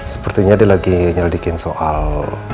sepertinya dia lagi nyelidikin soal